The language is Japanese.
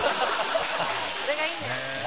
「それがいいんだよ。